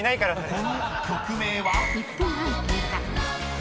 ［この曲名は？］